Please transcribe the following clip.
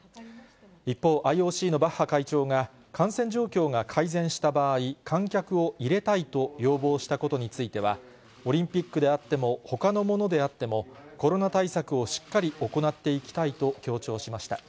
一方、ＩＯＣのバッハ会長が、感染状況が改善した場合、観客を入れたいと要望したことについては、オリンピックであっても、ほかのものであっても、コロナ対策をしっかり行っていきたいと強調しました。